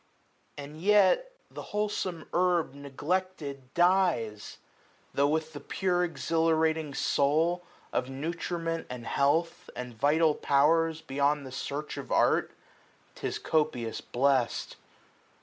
And yet the wholesome herb neglected dies; 335 Though with the pure exhilarating soul Of nutriment and health, and vital powers. Beyond the search of art, 'tis copious blest.